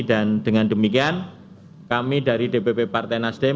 dan dengan demikian kami dari dpp partai nasdem